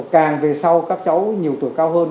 càng về sau các cháu nhiều tuổi cao hơn